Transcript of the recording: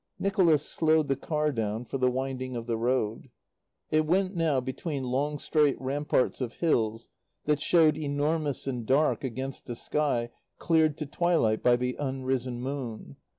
Nicholas slowed the car down for the winding of the road. It went now between long straight ramparts of hills that showed enormous and dark against a sky cleared to twilight by the unrisen moon.